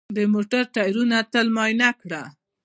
د موټر ټایرونه تل معاینه کړه.